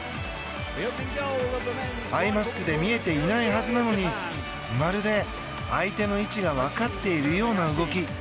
アイマスクで見えていないはずなのにまるで相手の位置が分かっているかのような動き。